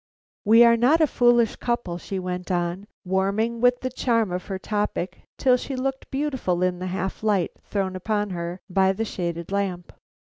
"We are not a foolish couple," she went on, warming with the charm of her topic till she looked beautiful in the half light thrown upon her by the shaded lamp.